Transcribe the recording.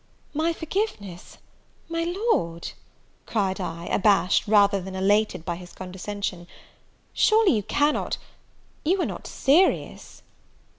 "My forgiveness! my Lord?" cried I, abashed, rather than elated by his condescension; "surely you cannot you are not serious?"